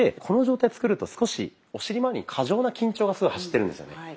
この状態を作ると少しお尻まわりに過剰な緊張が走ってるんですよね。